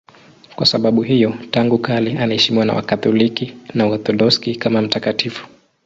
Kwa sababu hiyo tangu kale anaheshimiwa na Wakatoliki na Waorthodoksi kama mtakatifu.